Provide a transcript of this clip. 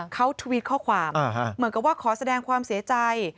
เขาทวิตข้อความเหมือนกับว่าขอแสดงความเสียใจ